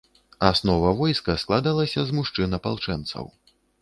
Аснова войска складалася з мужчын-апалчэнцаў.